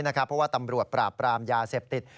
เพราะว่าตำรวจปราบปรามยาเสพติด